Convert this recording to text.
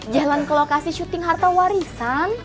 jalan ke lokasi syuting harta warisan